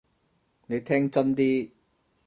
你聽真啲！